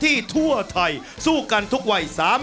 ออกออกออกออกออกออกออกออกออก